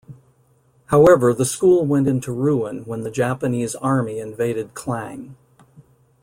However, the school went into ruin when the Japanese army invaded Klang.